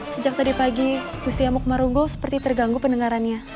sejak tadi pagi gusti yamukmarunggo seperti terganggu pendengarannya